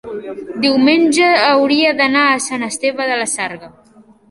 diumenge hauria d'anar a Sant Esteve de la Sarga.